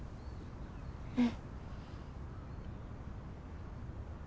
うん。